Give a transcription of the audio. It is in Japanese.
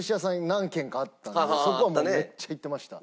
何軒かあったんでそこはめっちゃ行ってました。